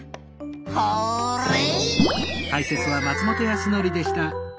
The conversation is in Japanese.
ホーレイ！